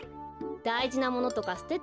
だいじなものとかすててない？